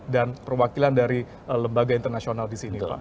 dan perwakilan dari lembaga internasional di sini pak